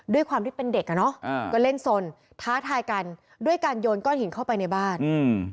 ด้วยความที่เป็นเด็กอ่ะเนอะอ่าก็เล่นสนท้าทายกันด้วยการโยนก้อนหินเข้าไปในบ้านอืม